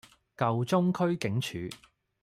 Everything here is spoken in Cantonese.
舊中區警署